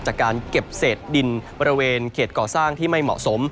จากการเก็บเศษดินบริเวณเขตก่อสร้างที่ไม่เหมาะสม